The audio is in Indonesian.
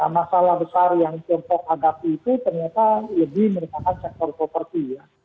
masalah besar yang tiongkok hadapi itu ternyata lebih merupakan sektor properti ya